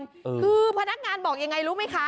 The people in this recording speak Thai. คือพนักงานบอกยังไงรู้ไหมคะ